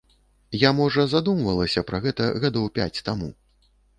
Я, можа, задумвалася пра гэта гадоў пяць таму.